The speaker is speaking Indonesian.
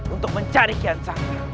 untuk mencari kian santan